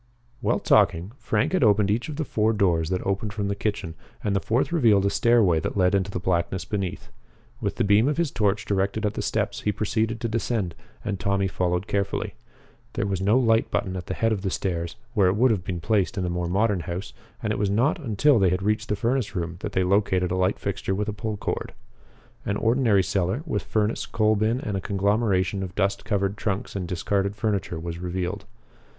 While talking, Frank had opened each of the four doors that opened from the kitchen, and the fourth revealed a stairway that led into the blackness beneath. With the beam of his torch directed at the steps, he proceeded to descend, and Tommy followed carefully. There was no light button at the head of the stairs, where it would have been placed in a more modern house, and it was not until they had reached the furnace room that they located a light fixture with a pull cord. An ordinary cellar, with furnace, coal bin, and a conglomeration of dust covered trunks and discarded furniture, was revealed.